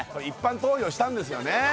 一般投票したんですよね